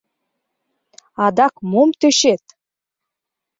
— Адак мом тӧчет?